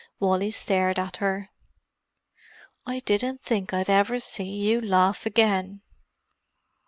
Wally stared at her. "I didn't think I'd ever see you laugh again!"